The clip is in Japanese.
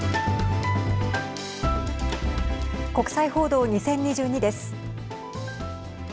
国際報道２０２２です。